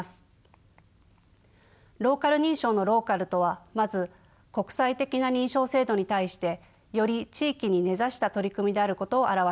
ローカル認証のローカルとはまず国際的な認証制度に対してより地域に根ざした取り組みであることを表しています。